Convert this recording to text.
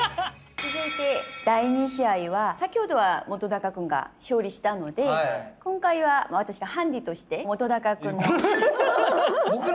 続いて第２試合は先ほどは本君が勝利したので今回は私がハンデとして本君の。